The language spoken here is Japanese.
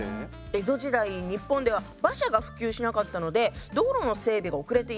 江戸時代日本では馬車が普及しなかったので道路の整備が遅れていました。